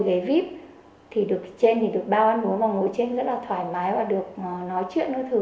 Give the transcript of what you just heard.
ghế vip thì được trên thì được bao ăn uống và ngồi trên rất là thoải mái và được nói chuyện với thứ